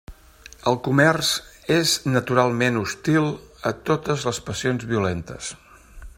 El comerç és naturalment hostil a totes les passions violentes.